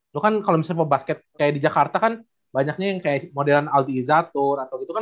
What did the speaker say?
lo kan kalau misalnya basket kayak di jakarta kan banyaknya yang kayak modern aldi zatun atau gitu kan